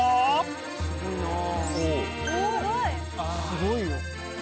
すごいわ。